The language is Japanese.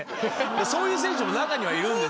そういう選手も中にはいるんですよ。